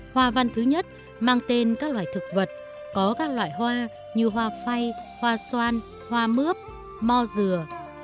hoa văn thứ nhất mang tên các loài thực vật có các loại hoa như hoa phay hoa xoan hoa mướp mo dừa